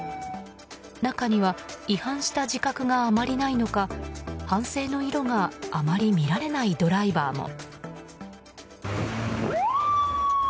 中には違反した自覚があまりないのか反省の色があまり見られないドライバーも。